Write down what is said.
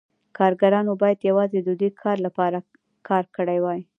کارګرانو باید یوازې د دوی لپاره کار کړی وای